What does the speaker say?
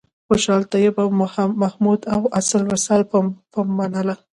خوشحال طیب او محمد واصل وصال به منله.